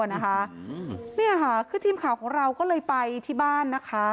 นี่ค่ะคือทีมข่าวของเราก็เลยไปที่บ้านนะคะ